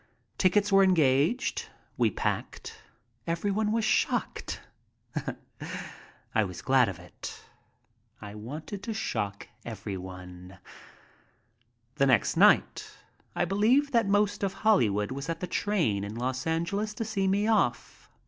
Tickets were engaged. We packed. Everyone was shocked. I was glad of it. I wanted to shock everyone. The next night I believe that most of Hollywood was at the train in Los Angeles to see me off.